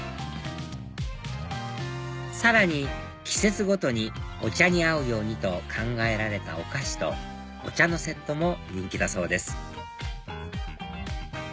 さらに季節ごとにお茶に合うようにと考えられたお菓子とお茶のセットも人気だそうです